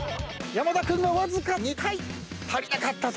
山田君がわずか２回足りなかったと。